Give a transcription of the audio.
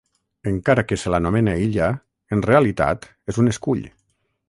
Encara que se l'anomena illa, en realitat és un escull.